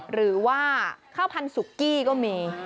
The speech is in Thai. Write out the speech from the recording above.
หรือว่าข้าวพันธุ์สุกี้ก็มี